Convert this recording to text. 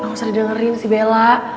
lo ga usah didengerin si bella